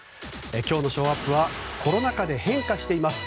今日のショーアップはコロナ禍で変化しています